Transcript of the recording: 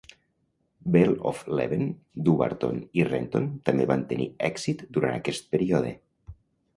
Vale of Leven, Dumbarton i Renton també van tenir èxit durant aquest període.